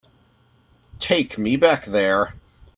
Take me back there.